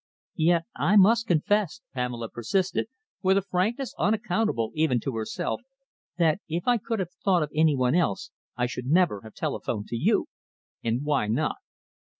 "Yet I must confess," Pamela persisted, with a frankness unaccountable even to herself, "that if I could have thought of any one else I should never have telephoned to you." "And why not?"